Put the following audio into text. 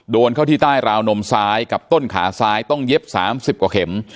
โดนเข้าที่ใต้ราวนมซ้ายกับต้นขาซ้ายต้องเย็บ๓๐กว่าเข็ม